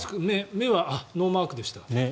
目はノーマークでした。